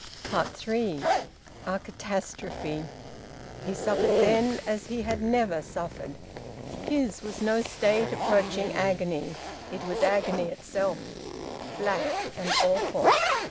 THREE. A catastrophe! He suffered then as he had never suffered. His was no state approaching agony; it was agony itself, black and awful.